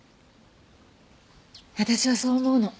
私はそう思うの。